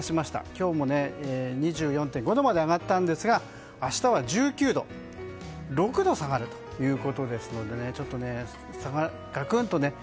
今日も２４．５度まで上がったんですが明日は１９度６度下がるということですのでちょっと、がくんと。